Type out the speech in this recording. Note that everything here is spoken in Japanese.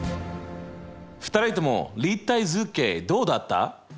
２人とも立体図形どうだった？